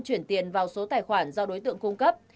chuyển tiền vào số tài khoản do đối tượng cung cấp